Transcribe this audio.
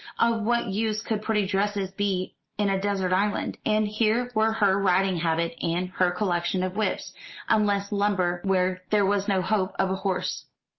Of what use could pretty dresses be in a desert island? And here were her riding habit and her collection of whips useless lumber where there was no hope of a horse.